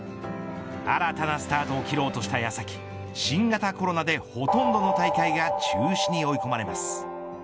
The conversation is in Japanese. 新たなスタートを切ろうとしたやさき新型コロナでほとんどの大会が中止に追い込まれます。